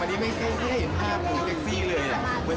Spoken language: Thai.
มันนี่ไม่เคยเห็นภาพของเซ็กซี่เลย